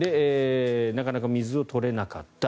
なかなか水を取れなかった。